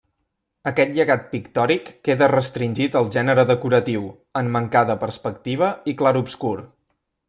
Aquest llegat pictòric queda restringit al gènere decoratiu, en mancar de perspectiva i clarobscur.